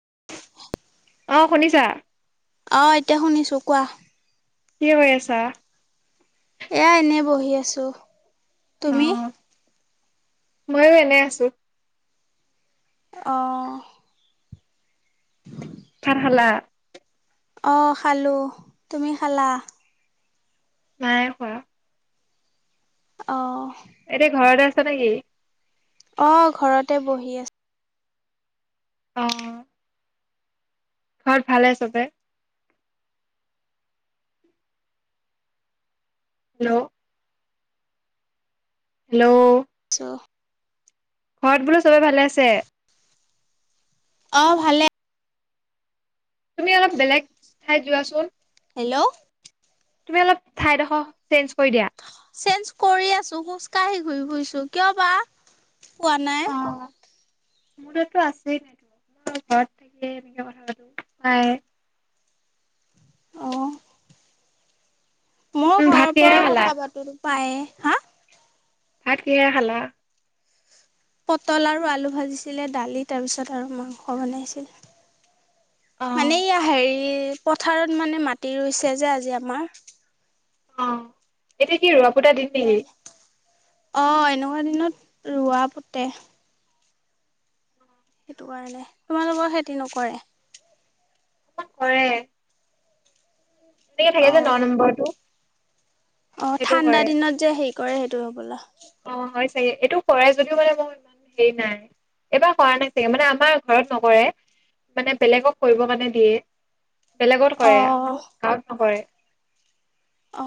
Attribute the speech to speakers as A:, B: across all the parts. A: অ [unintelligible]
B: এ শুনিছা?
A: অ এতিয়া শুনিছো কোৱা।
B: কি কৰি আছা?
A: এয়া এনে বহি আছো। তুমি?
B: মইয়ো এনে আছো।
A: অ।
B: ভাত খালা?
A: অ খালো। তুমি খালা?
B: নাই খোৱা।
A: অ।
B: এতিয়া ঘৰতে আছা নেকি?
A: অ ঘৰতে বহি আছো।
B: অ। ঘৰত ভালে চবৰে? হেল্ল', হেল্ল',
A: ক [unintelligible]
B: ঘৰত বোলো চবে ভালে আছে?
A: অ ভালে।
B: তুমি অলপ বেলেগ ঠাইত যোৱাচোন।
A: হেল্ল',
B: তুমি অলপ ঠাইডখৰ চেঞ্জ কৰি দিয়া।
A: চেঞ্জ কৰি আছো, খোজকাঢ়ি ঘূৰি ফুৰিছো, কিয় বা পোৱা নাই।
B: নেটৱৰ্ক তো আছেই [unintelligible] আছেই নাইতো ঘৰত থাকিয়ে এনেকে কথা পাতো পাই [unintelligible]
A: অঁ। মই
B: উম ভাত
A: ঘৰৰ
B: কিহেৰে
A: পৰা
B: খালা
A: কথা পাতোতো প্ৰায়ে। হা?
B: ভাত কিহেৰে খালা?
A: পটল আৰু আলু ভাজিছিলে, দালি, তাৰপিছত আৰু মাংস
B: অ
A: বনাইছিল। মানে ইয়া হেৰি পথাৰত মানে মাটি ৰুইছে যে আজি আমাৰ।
B: অ, এতিয়া কি ৰোৱা পোতা দিন নেকি?
A: অ এনেকুৱা দিনত ৰোৱা পোতে সেইটো কাৰণে। তোমালোকৰ খেতি নকৰে?
B: অকমান কৰে। তেনেকে
A: অ
B: থাকে যে নম্বৰটো।
A: অ
B: সেইটো
A: ঠাণ্ডা
B: কৰে
A: দিনত যে হেৰি কৰে সেইটো হ'বলা।
B: অ হয় এইটো কৰে যদিও মানে মই ইমান হেৰি নাই। এবাৰ কৰা নাই চাগে, মানে আমাৰ ঘৰত নকৰে মানে বেলেগক কৰিব মানে দিয়ে। বেলেগত
A: অ
B: কৰে, আমাৰ গাঁৱত নকৰে।
A: অ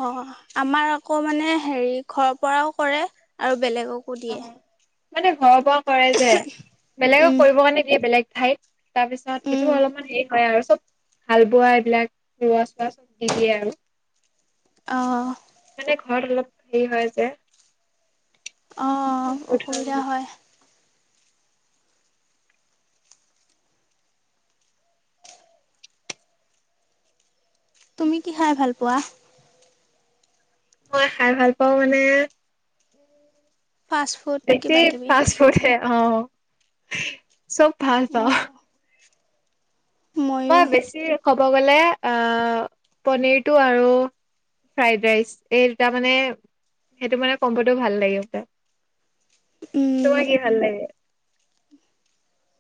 A: আমাৰ আকৌ মানে হেৰি ঘৰৰ পৰাও কৰে আৰু বেলেগকো
B: অ
A: দিয়ে
B: মানে ঘৰৰ পৰা কৰে যে বেলেগক
A: উম
B: কৰিব কাৰণে দিয়ে, বেলেগ ঠাইত। তাৰপিছত
A: উম
B: সেইটো অলপমান হেৰি হয় আৰু চব হাল বোৱা, এইবিলাক লোৱা চোৱা চব দি দিয়ে আৰু
A: অহ।
B: মানে ঘৰত অলপ হেৰি হয় যে।
A: অ
B: জুত
A: অসুবিধা
B: বহুত।
A: হয়। তুমি কি খাই ভাল পোৱা?
B: মই খাই ভাল পাওঁ মানে,
A: ফাষ্ট ফুড কিবা
B: একেই
A: কিবি
B: ফাষ্ট ফুড হে অ চব ফষ্ট বাও
A: ময়ো
B: মই বেছি কব গলে অ পনীৰটো আৰু ফ্ৰাইড ৰাইচ এই দুটা মানে সেইটো মানে কম্বটো ভাল লাগিব যে
A: উম,
B: তোমাৰ কি ভাল লাগে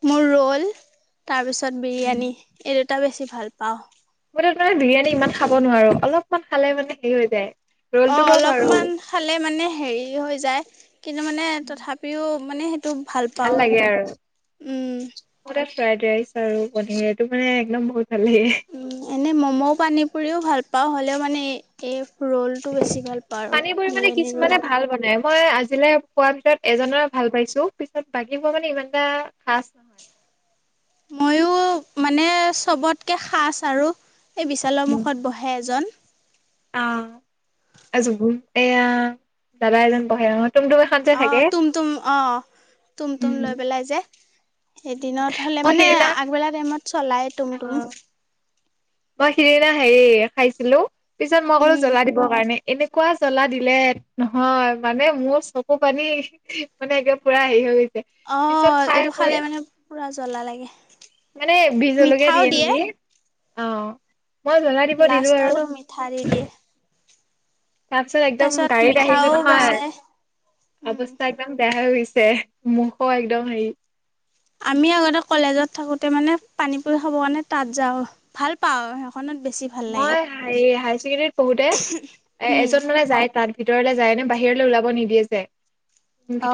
A: মোৰ ৰোল তাৰপিছত বিৰিয়ানী এই দুটা বেছি ভাল পাওঁ
B: মই মানে বিৰিয়ানী ইমান খাব নোৱাৰো অলপমান খালে মানে হেৰি হৈ যায়
A: অ
B: ৰ'লটো বাৰু পাৰো।
A: অলপমান খালে মানে হেৰি হৈ যায় কিন্তু মানে তথাপিও মানে সেইটো ভাল পাওঁ আৰু উম
B: মোৰ তাত ফ্ৰাইড ৰাইচ আৰু পনীৰ এইটো মানে একদম বহুত ভাল লাগে।
A: উ এনে মম' পানী পুৰিও ভাল পাওঁ হ'লেও মানে এ ৰোলটো বেছি ভাল পাওঁ আৰু
B: পানীপুৰি মানে
A: বিৰিয়ানী
B: কিছুমানে
A: ৰোল
B: ভাল বনাই মই আজিলে খোৱাৰ ভিতৰত এজনৰ ভাল পাইছো পিছত বাকী খোৱা মানে ইমান এটা খাচ নহয়
A: ময়ো মানে চবতকৈ খাচ আৰু এই বিশালৰ মুখত বহে এজন
B: আহ জুবু এয়া দাদা এজন বহে ৰাঙত [unintelligible]
A: অ তুম তুম অ তুম তুম
B: উম
A: লৈ পেলাই যে এদিনত হলে
B: মই
A: মানে
B: সিদিনা
A: আগবেলা টাইমত চলাই তুম
B: অ
A: তুম
B: মই সিদিনা হেৰি খাইছিলো পিছত মই ক'লো
A: উম,
B: জ্বলা দিবৰ কাৰণে এনেকুৱা জ্বলা দিলে নহয় মানে মোৰ চকু পানী মানে একে পোৰা হেৰি হৈ গৈছে
A: অ
B: পিছত খাই
A: এইটো
B: কৰি
A: খালে মানে পোৰা জ্বলা লাগে
B: মানে বিজলকীয়া দিয়ে নেকি অ মই জ্বলা দিব দিলো
A: লাষ্ট আৰু মিঠাই দিয়ে
B: তাৰ পিছত একদম
A: তাৰপিছত
B: গাড়ীত আহিছো
A: মিঠাও বেচে
B: নহয়
A: উম
B: অৱস্থা একদম বেয়া হৈ গৈছে ছে মুখো একদম হেৰি
A: আমি আগতে কলেজত থাকোতে মানে পানী পুৰি খাব কাৰণে তাত যাওঁ ভাল পাওঁ বেছি ভাল লাগে
B: মই হেৰি হায়াৰ ছেকেণ্ডৰীত পঢ়োতে
A: উম
B: ভিতৰলৈ যায় নে বাহিৰলৈ ওলাব নিদিয়ে যে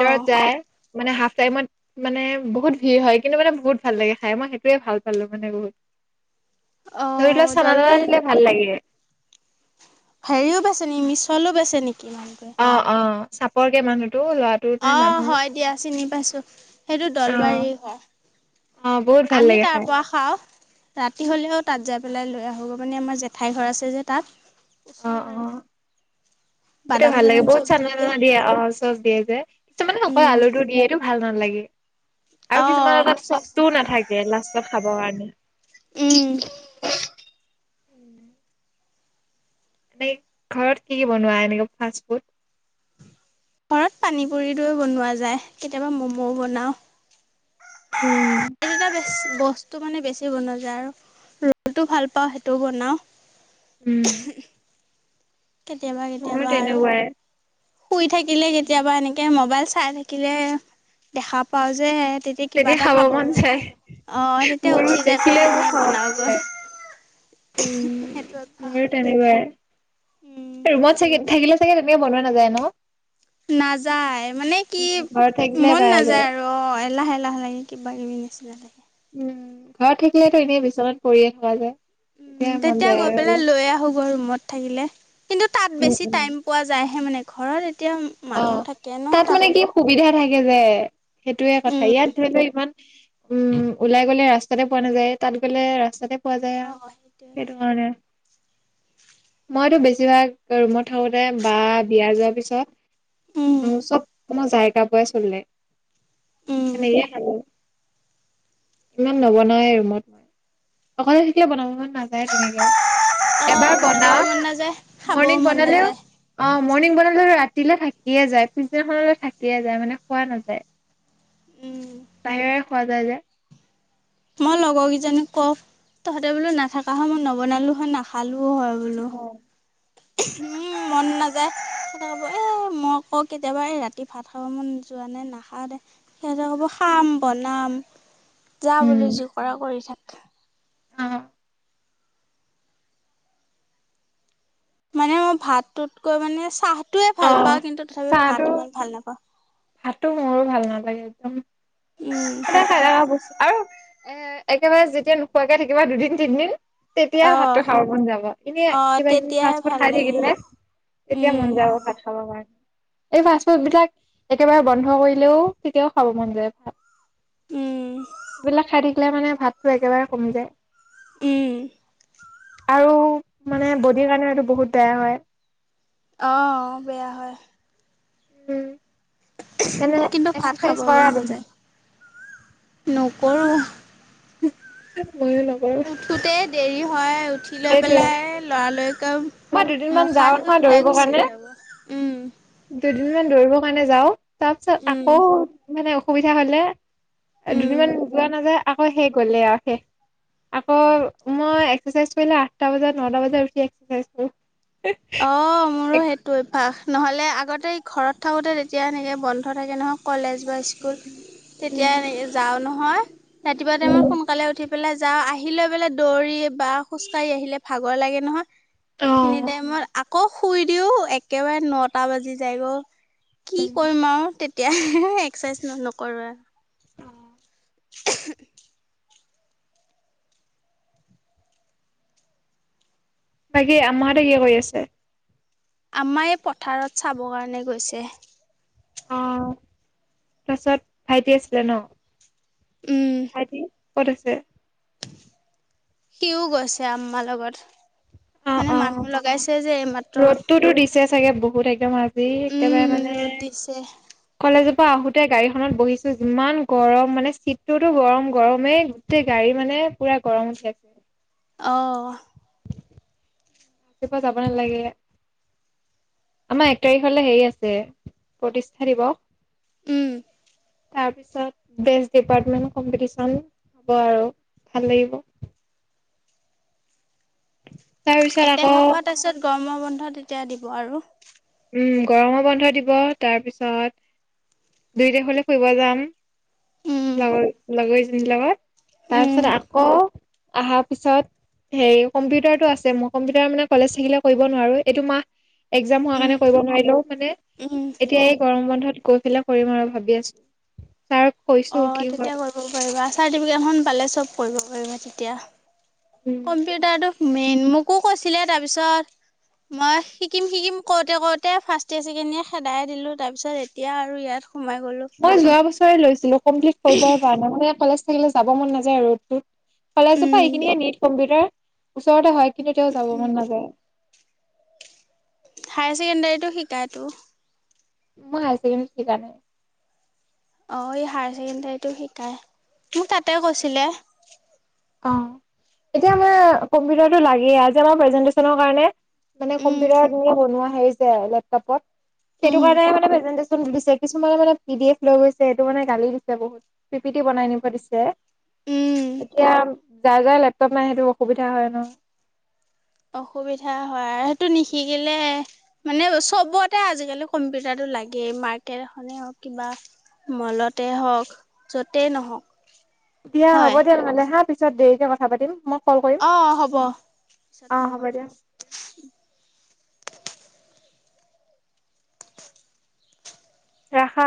A: অঁ
B: যায় মানে হাফ টাইমত মানে বহুত ভিৰ হয় কিন্তু মানে বহুত ভাল লাগে খাই মই সেইটোৱে ভাল পালো মানে বহুত
A: [inaudible] [unintelligible]
B: ধৰি
A: অঁ
B: লোৱাক চানাটানা
A: দলবাৰী
B: দিলে ভাল লাগে
A: হেৰিও বেছে নেকি মিছলো বেছি নেকি মানুহটোৱে
B: অ অ চাপৰ কে মানুহ।
A: অ হয় দিয়া চিনি পাইছো সেইটো
B: অ
A: দলবাৰী হ।
B: অ বহুত ভাল
A: আমি
B: লাগে
A: তাৰ
B: খাই
A: পৰা খাওঁ। ৰাতি হ'লেও তাত যাই পেলাই লৈ আহোগৈ মানে আমাৰ জেঠাই ঘৰ আছে যে তাত।
B: অ
A: ওচৰৰে।
B: অ সেইটো
A: বাদাম
B: ভাল লাগে
A: চাদাম
B: বহুত
A: চব দি
B: চানা চানা দিয়ে অ চব দিয়ে যে কিু মানে অক
A: উম
B: আলু টো দিয়ে এইটো ভাল। লাগে আৰু কিছুমান
A: অঁ
B: চচও নাথাকে লাষ্টত খাবৰ কাৰণে।
A: উম।
B: উম। [unintelligible] এনে ঘৰত কি কি বনোৱা এনেকে ফাষ্টফুড।
A: ঘৰত পানী পুৰি দৈ বনোৱা যায় কেতিয়াবা ম'ম'ও বনাওঁ।
B: উম
A: এই দুটা বস্তু মানে বেছি বনোৱা যায় আৰু ৰদো ভাল পাওঁ সেইটোও বনাও।
B: উম।
A: কেতিয়াবা
B: মোৰো
A: কেতিয়াবা আৰু
B: তেনেকুৱাই
A: শুই থাকিলে কেতিয়াবা এনেকে মবাইল। চাই থাকিলে দেখা পাওঁ যে। তেতিয়া কিবা এটা খাব মন যায় অ তেতিয়া
B: মোৰো
A: উঠি যাই
B: দেখিলে
A: পলে
B: মোৰ
A: এনেই
B: খাব মন
A: বনাওগৈ।
B: যায় উম
A: সেইটো এ ভা।
B: মোৰো তেনেকুৱাই ৰুমত চ থাকিলে চাগে তেনেকে বনোৱা নাযায় ন।
A: নাযায় মানে কি।
B: ঘৰত থাকিলে
A: মন
B: পাৰা
A: নাযায়
B: যায়
A: আৰু অ এলাহ এলাহ লাগে কিবা কিবি নিচিনা লাগে।
B: উম, ঘৰত থাকিলেতো এনে বিচনাত পৰিয়ে থকা যায়।
A: উম
B: তেতিয়াহে মন
A: তেতিয়া
B: যায়
A: গৈ
B: আৰু
A: পেলাই
B: অলপ
A: লৈ আহো। গৈ ৰুমত থাকিলে কিন্তু তাত
B: উম
A: বেছি
B: উম
A: টাইম পোৱা যায়হে মানে ঘৰত। এতিয়া মানুহ থাকে ন তাত,।
B: কেলে। সেইটোৱে কথা ইয়াত ধৰি ল ইমান উম ওলাই গ'লে ৰাস্তাতে পোৱা নাযায় তাত গ'লে ৰাস্তাতে পোৱা যায় আৰু
A: অ', সেইটোৱে
B: সেইটো কাৰণে। মইটো বেছিভাগ ৰুমত থাকোতে বা বিয়া যোৱাৰ পিছত,।
A: উম,
B: উ চব সময় জাইকা পৰাই চলে,
A: উম,
B: সেনেকে খালো। ইমান নবনাৱে ৰুমত, অকলে থিকিলে বনাব মন। নাযায় তেনেকে
A: অ',
B: এবাৰ
A: বনাবও
B: বনাও,।
A: মন নাযায় খাবও
B: মৰ্ণিং
A: মন
B: বনালেও
A: নাযায়
B: অ মৰ্ণিং বনালেও ৰাতি। ৰাতিলৈ থাকিয়ে যায় পিছদিনাখনলৈ থাকিয়ে যায় মানে খোৱা নাযায়।
A: উম,
B: বাহিৰৰে‌ খোৱা যায় যে।
A: মই লগৰ কেইজী কওঁ তহঁতে বোলো নাথাকা সময়ত নবনালো হয় নাখ। আলো হয় বোলো। উম মন নাযায়, তাহাঁতে কব এ মই কওঁ কেতিয়াবা এই ৰাতি ভাত খাব মন। যোৱা নাই নাখাওঁ দে সিহঁতে ক'ব খাম বনাম। যা বোলো যি
B: উম
A: কৰা কৰি থাক।
B: অ
A: মানে মোৰ ভাতটোতকৈ মানে চাহ। টোয়ে
B: অ
A: ভাল পাওঁ কিন্তু, তথাপিও
B: চাহটো
A: ভাত ইমান ভাল নাপাওঁ।
B: ভাতটো মোৰো ভাল নালাগে একদম,
A: উম,
B: সদায় খাই থাকা বস্তু আৰু,। এ একেবাৰে যেতিয়া নোখোৱাকে থাকিবা দুদিন তিনদিন,। তেতিয়া
A: অহ,
B: ভাতটো খাব মন যাব এনে
A: অহ,
B: কিবা কিবি
A: তেতিয়াহে
B: ফাৰ্ষ্ট ফুড
A: ভাল
B: খাই
A: লাগে।
B: থাকিলে। তেতিয়া
A: উম,
B: মন যাব ভাত খাব কাৰণে। এই ফাষ্ট ফুড বিলাক একেবাৰে বন্ধ কৰিলেও, তেতিয়াও খাব মন যায় ভাত।
A: উম,
B: সেইবিলাক খাই থাকিলে মানে ভাতটো একেবাৰে কমি যায়।
A: উম।
B: আৰু মানে বডিৰ কাৰণে সেইটো বহুত বেয়া হয়।
A: অ বেয়া হয়।
B: উম। তেনে
A: কিন্তু ভাত খাব
B: এক্সাৰচাইজ
A: মন
B: কৰা তুমি
A: নাযায়, ন কৰো।
B: ময়ো নকৰো
A: উঠোতে দেৰি হয়, উঠি লৈ
B: সেইটোয়ে
A: পেলাই লৰালৰি
B: মই
A: কৈ
B: দুদিনমান
A: মুখ
B: যাও
A: হাত ধুই
B: নহয়
A: ওলাই
B: দৌৰিবৰ
A: গুচিয়ে
B: কাৰণে
A: যাব। উম।
B: দুদিনমান দৌৰিবৰ কাৰণে যাওঁ, তাৰ পিছত
A: উম,
B: আকৌ মানে অসুবিধা হ'লে
A: উম।
B: দুদিনমান যোৱা নাযায় আকৌ হে গ'লেই আৰু শেষ, আকৌ মই এক্সাৰচাইজ কৰিলে আঠটা বজাত নটা বজাত উঠি এক্সাৰচাইজ কৰোঁ।
A: অ মোৰো সেইটো অভ্যাস। নহ'লে আগতে ঘৰত থাকোঁতে তেতিয়া এনেকে বন্ধ থাকে নহয় কলেজ বা স্কুল তেতিয়া
B: উম,
A: যাওঁ নহয়, ৰাতিপুৱা টাইমত সোনকালে উঠি পেলাই যাওঁ আহি লৈ পেলাই দৌৰি বা খোজ কাঢ়ি আহিলে ভাগৰ লাগে নহয় সেইখিনিত
B: অ',
A: আকৌ শুই দিও একেবাৰে নটা বাজি যায়গ' কি কৰিম আৰু তে তিয়া এক্সাৰচাইজ নকৰো আৰু। [inaudible]
B: বাকি আম্মা হতে কি কৰি আছে?
A: আম্মা এই পথাৰত চাব কাৰণে গৈছে।
B: অ তাৰপাছত ভাইটি আছিলে ন?
A: উম
B: ভাইটি ক'ত আছে?
A: সিও গৈছে আম্মাৰ লগত।
B: অ',
A: মানে
B: অ',
A: মানুহ লগাইছে যে এইমাত্ৰ।
B: ৰ'দটোতো দিছে চাগে বহুত একদম আজি একেবাৰে
A: উম
B: মানে
A: ৰ'দ দিছে
B: কলেজৰ পৰা আহোতে গাড়ী খখনত বহিছো যিমান গৰম মানে চিটটোতো গৰম গৰমেই গোটেই গাড়ী মানে পুৰা গৰম উঠি আছে
A: অ
B: চিপা চাব ন নালাগে আমাৰ এক তাৰিখলৈ হেৰি আছে প্ৰতিষ্ঠা দিৱস
A: উম
B: তাৰপিছত বেচ ডিপাৰ্টমেন্ট কম্পিটিচন হ'ব আৰু ভাল লাগিব তাৰপিছত
A: একে
B: আকৌ
A: হবাহ তাৰিছত গৰমৰ বন্ধ এতিয়া দিব আৰু
B: উম গৰমো বন্ধ দিব তাৰ পিছত দুইোটখলে ফুৰিব যাম
A: উম,
B: লগ লগাইজন লগত তাৰপিছত
A: উম,
B: আকৌ অহাৰ পিছত হে কম্পিউটাৰতটো আছে মই কম্পিউটাৰ মানে কলেজ থাকিলে কৰিব নোৱাৰো এইটো মাহ এক্জাম হোৱা কাৰণে
A: উম,
B: কৰিব নোৱাৰিলেও মানে
A: উম।
B: এতিয়া এই গৰম বন্ধ তত কৈ পেলা কৰিম আৰু ভাবি আছো ছাৰক কৈছো
A: অ
B: কি
A: তেতিয়া
B: হয়
A: কৰিব পাৰিবা চাৰ্টিফিকেটখন পালে চব কৰিব পাৰিবা তেতিয়া
B: উম
A: কম্পিউটাৰটো মেইন মোকো কৈছিলে তাৰপিছত মই শিকিম শিকিম কওঁতে কৰওতে ফাৰ্ষ্টে চছেকেণ্ডিয়ে খেদাই দিলো তাৰ পিছত এতিয়া আৰু ইয়াত সোমাই গ'লোঁ।
B: মই যোৱা বছৰে লৈছিলো কমপ্লিট কৰিব কাৰে মান কলেজ থাকিলে যাব মন নাযায় ৰত কলেজৰ পৰা
A: উম,
B: এইখিনিয়ে নট কম্পিউটাৰ ওচৰতে হয় কিন্তু তেওঁ যাব
A: উম,
B: মন নাযায়
A: হায়াৰ ছেকেণ্ডাৰীতো শিকায়টো
B: মই হায়াৰ ছেকেণ্ডৰী শিক নাই
A: অ এই হায়াৰ চছেকেণ্ডাৰীতটো শিকাই মোক তাতে কৈছিলে
B: অ এতিয়া আমাৰ কম্পিউটাৰটো লাগে আমাৰ প্ৰেজেন্টেছন কাৰণে মানে
A: উম,
B: কম্পিউটাৰ ম বনোৱা হৈই যে আৰু লেপটপত
A: উম,
B: সেইটো কাৰণে মানে ন দিছে কিছুমানে মানে পি ডি এফ লৈ গৈছে এইটো মানে গালি দিছে বহুতি বনাই নিব দিছে
A: উম
B: এতিয়া যায় যায় লেপটপ নাই সেইটো অসুবিধা হয় ন
A: অসুবিধা হয়, সেইটো নিশিকিলে মানে চবতে আজিকালি কম্পিউটাৰটো লাগেই মাৰ্কেট এখনেই হওক কিবা মলতে হওক য'তেই নহওক
B: দিয়া হ'ব
A: হয়
B: দিয়া নহ'লে হা পিছত দেৰিকে কথা পাতিম মই কল কৰিম,
A: অঁ হ'ব পিছত
B: অৱ
A: ফোন কৰিম
B: হ'ব দিয়া
A: [unintelligible]
B: ৰাখা